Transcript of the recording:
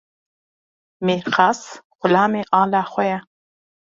Mêrxas, xulamê ala xwe ye.